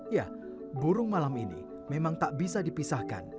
ya burung malam ini memang tak bisa dipisahkan